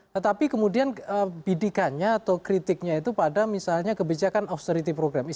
tetapi kemudian bidikannya atau kritiknya itu pada misalnya kebijakan authority program